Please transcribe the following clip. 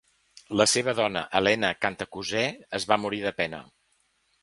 La seva dona Helena Cantacuzè es va morir de pena.